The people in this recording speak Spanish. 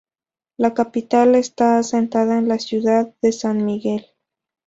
La capital está asentada en la ciudad de San Miguel.